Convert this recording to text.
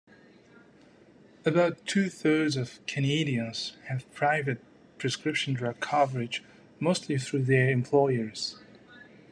About two thirds of Canadians have private prescription drug coverage, mostly through their employers.